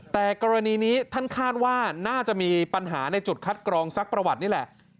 แต่กรณีนี้ท่านคาดว่าน่าจะมีปัญหาในจุดคัดกรองซักประวัตินี่แหละ